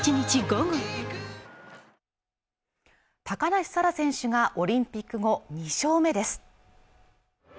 高梨沙羅選手がオリンピック後２勝目です